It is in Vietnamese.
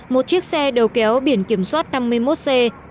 một chiếc xe đầu kéo biển kiểm soát năm mươi một c năm mươi năm nghìn một mươi bốn